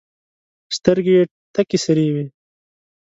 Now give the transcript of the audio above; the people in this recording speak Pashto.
سترګي یې تکي سرې وې !